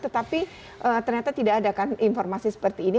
tetapi ternyata tidak ada kan informasi seperti ini